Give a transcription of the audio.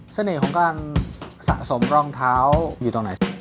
ของการสะสมรองเท้าอยู่ตรงไหน